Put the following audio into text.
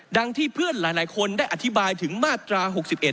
ที่เพื่อนหลายคนได้อธิบายถึงมาตรา๖๑